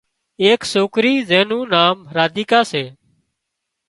ايڪ سوڪري زين نُون نان راديڪا سي